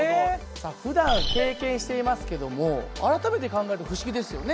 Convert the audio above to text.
さあふだん経験していますけども改めて考えると不思議ですよね。